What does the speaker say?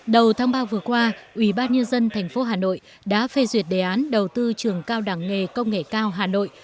đầu tháng ba vừa qua ủy ban nhân dân thành phố hà nội đã phê duyệt đề án đầu tư trường cao đẳng nghề công nghệ cao hà nội